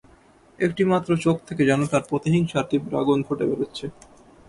একটিমাত্র চোখ থেকে যেন তার প্রতিহিংসার তীব্র আগুন ফুটে বেরুচ্ছে।